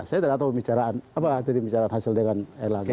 saya tidak tahu bicaran apa tadi bicaran hasil dengan r langga